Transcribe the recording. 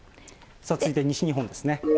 続いて西日本ですね。